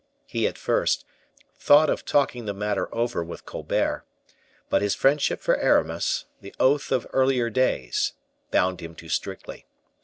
He, at first, thought of talking the matter over with Colbert, but his friendship for Aramis, the oath of earlier days, bound him too strictly.